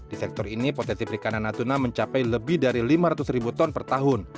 di sektor ini potensi perikanan natuna mencapai lebih dari lima ratus ribu ton per tahun